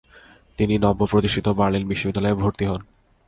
তিনি নব্য প্রতিষ্ঠিত বার্লিন বিশ্ববিদ্যালয়ে ভর্তি হন।